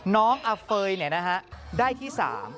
น้องอเฟย์ได้ที่๓